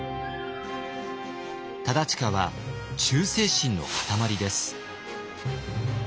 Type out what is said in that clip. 忠隣は忠誠心の塊です。